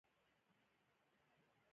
فوټبال په افغانستان کې پخوانۍ مخینه لري.